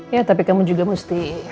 ya tapi kamu juga mesti